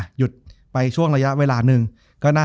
จบการโรงแรมจบการโรงแรม